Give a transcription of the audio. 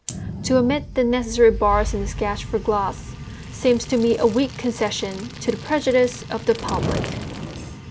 To omit the necessary bars in a sketch for glass seems to me a weak concession to the prejudice of the public.